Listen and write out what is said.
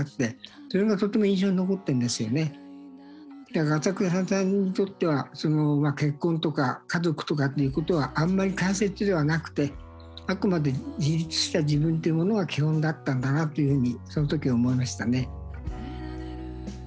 だから朝倉さんにとっては結婚とか家族とかっていうことはあんまり大切ではなくてあくまで自立した自分というものが基本だったんだなというふうにその時思いましたね。